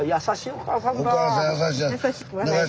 おかあさん優しい。